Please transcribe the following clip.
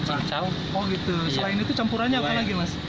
selain itu campurannya apa lagi mas